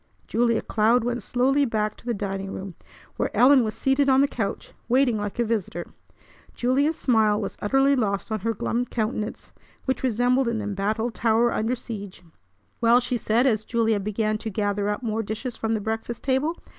Julia Cloud went slowly back to the dining room, where Ellen was seated on the couch, waiting like a visitor. Julia's smile was utterly lost on her glum countenance, which resembled an embattled tower under siege. "Well!" she said as Julia began to gather up more dishes from the breakfast table.